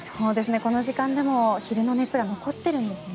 この時間でも昼の熱が残っているんですね。